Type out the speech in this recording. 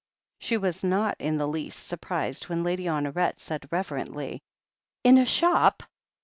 She was not in the least surprised when Lady Hon oret said reverently: "In a shop